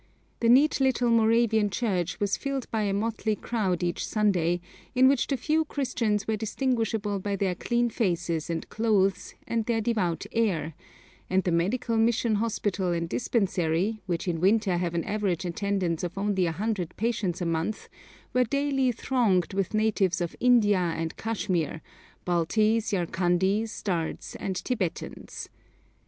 The neat little Moravian church was filled by a motley crowd each Sunday, in which the few Christians were distinguishable by their clean faces and clothes and their devout air; and the Medical Mission Hospital and Dispensary, which in winter have an average attendance of only a hundred patients a month, were daily thronged with natives of India and Kashmir, Baltis, Yarkandis, Dards, and Tibetans.